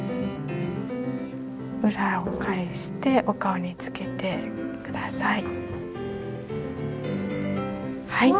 裏を返してお顔につけてください。